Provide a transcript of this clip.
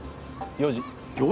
４時？